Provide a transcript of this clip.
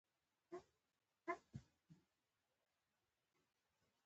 کنډېنسیشن د ګاز په مایع بدلیدو ته وایي.